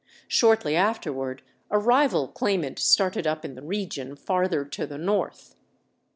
Shortly afterward a rival claimant started up in the region farther to the north.